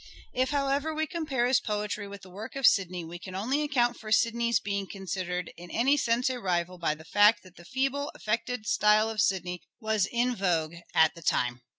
If, however, we compare his poetry with the work of Sidney we can only account for Sidney's being considered in any sense a rival by the fact that the feeble affected style of Sidney was in vogue at the time.